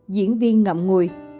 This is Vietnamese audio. diễn viên ngậm ngùi